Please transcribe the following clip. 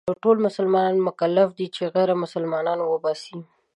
ټول مسلمانان مکلف دي چې غير مسلمانان وباسي.